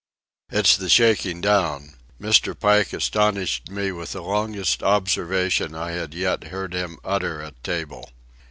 "It's the shaking down." Mr. Pike astonished me with the longest observation I had yet heard him utter at table.